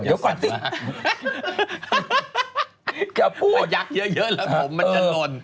เดี๋ยวก่อนสิอย่าพูดผมเนี่ยะมันจะหล่น